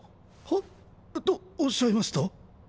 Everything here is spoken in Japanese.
はっ？とおっしゃいますと？